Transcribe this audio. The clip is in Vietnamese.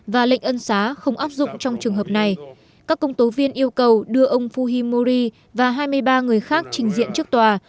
và lệnh ân xá không áp dụng trong trường hợp này các công tố viên yêu cầu đưa ông fuhimori và hai mươi ba người khác trình diện trước tòa